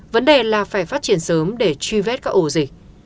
vấn đề là phải phát triển sớm để truy vết các ổ dịch